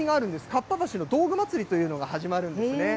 かっぱ橋の道具まつりというのが始まるんですね。